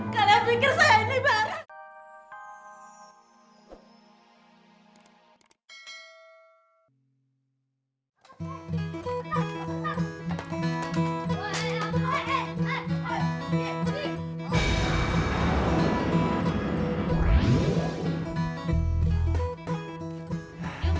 kalian pikir saya ini barang